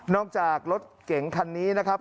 จากรถเก๋งคันนี้นะครับ